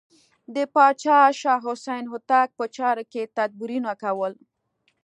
د پاچا شاه حسین هوتک په چارو کې تدبیرونه کول.